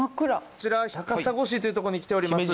こちら高砂市というところに来ております。